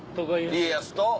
家康と？